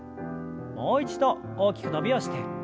もう一度大きく伸びをして。